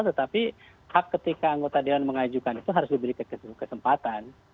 tetapi hak ketika anggota dewan mengajukan itu harus diberi kesempatan